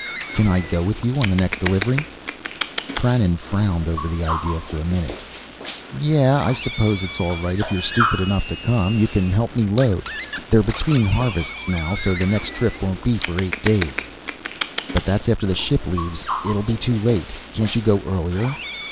"Can I go with you on the next delivery?" Krannon frowned over the idea for a minute. "Yeah, I suppose it's all right if you're stupid enough to come. You can help me load. They're between harvests now, so the next trip won't be for eight days " "But that's after the ship leaves it'll be too late. Can't you go earlier?"